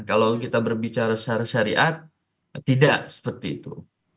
kalau kita berbicara secara syariat tidak seperti itu